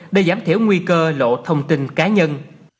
để giảm thiểu nguy cơ lộ thông tin cá nhân